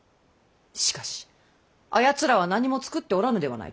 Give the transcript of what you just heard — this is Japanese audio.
しかしあやつらは何も作ってはおらぬではないか。